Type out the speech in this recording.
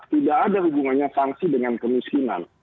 tidak ada hubungannya sanksi dengan kemiskinan